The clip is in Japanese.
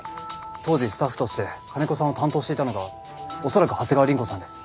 当時スタッフとして金子さんを担当していたのが恐らく長谷川凛子さんです。